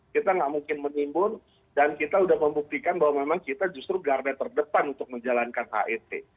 kita nggak mungkin menimbun dan kita sudah membuktikan bahwa memang kita justru garda terdepan untuk menjalankan het